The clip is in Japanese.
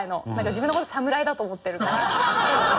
自分の事サムライだと思ってるから。